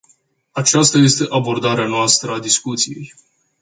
Aceasta este abordarea noastră a discuției.